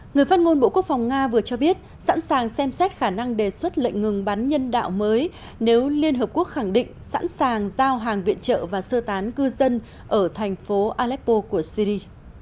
người phát ngôn bộ quốc phòng nga vừa cho biết sẵn sàng xem xét khả năng đề xuất lệnh ngừng bắn nhân đạo mới nếu liên hợp quốc khẳng định sẵn sàng giao hàng viện trợ và sơ tán cư dân ở thành phố aleppo của syri